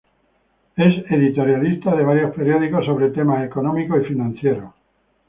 Es editorialista de varios periódicos sobre temas económicos y financieros.